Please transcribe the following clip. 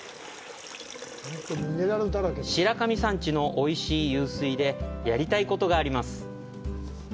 白神山地のおいしい湧水でやりたいことがあります。